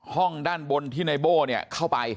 ห้องด้านบนที่ในโบ้เนี่ยเข้าไป